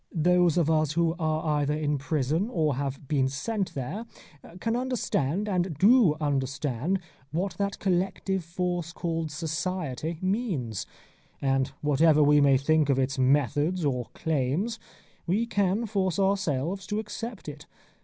Those of us who are either in prison or have been sent there, can understand, and do understand, what that collective force called Society means, and whatever we may think of its methods or claims, we can force ourselves to accept it.